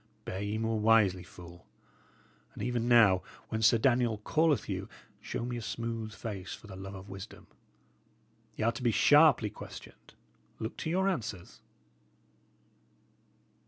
Bear ye more wisely, fool; and even now, when Sir Daniel calleth you, show me a smooth face for the love of wisdom. Y' are to be sharply questioned. Look to your answers."